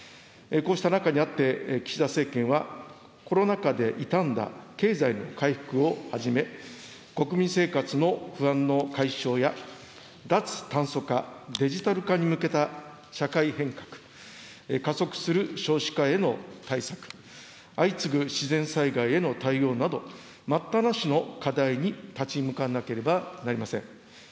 こうした中にあって、岸田政権はコロナ禍で傷んだ経済の回復をはじめ、国民生活の不安の解消や、脱炭素化、デジタル化に向けた社会変革、加速する少子化への対策、相次ぐ自然災害への対応など、待ったなしの課題に立ち向かわなければなりません。